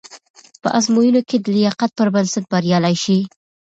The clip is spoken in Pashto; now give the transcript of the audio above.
په ازموینو کې د لایقت پر بنسټ بریالي شئ.